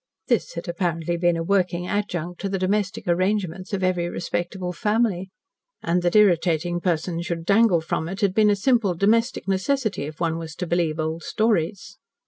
This had apparently been a working adjunct to the domestic arrangements of every respectable family, and that irritating persons should dangle from it had been a simple domestic necessity, if one were to believe old stories.